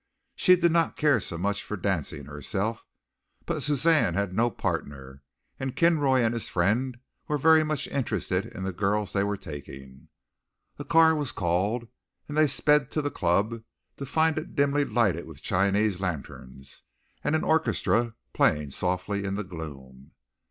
She did not care so much for dancing herself, but Suzanne had no partner and Kinroy and his friend were very much interested in the girls they were taking. A car was called, and they sped to the club to find it dimly lighted with Chinese lanterns, and an orchestra playing softly in the gloom.